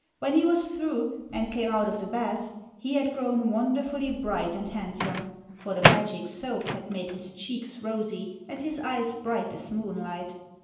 When he was through, and came out of the bath, he had grown wonderfully bright and handsome, for the magic soap had made his cheeks rosy and his eyes bright as moonlight.